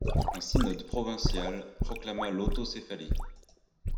Un synode provincial proclama l'autocéphalie.